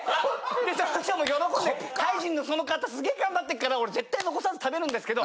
その人も喜んでタイ人のその方すげぇ頑張ってっから俺絶対残さず食べるんですけど。